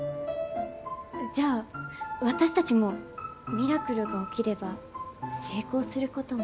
じゃあ私たちもミラクルが起きれば成功することも。